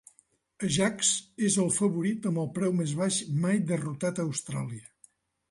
Ajax és el favorit amb el preu més baix mai derrotat a Austràlia.